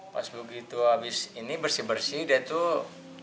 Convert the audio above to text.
pas begitu habis ini bersih bersih dia tuh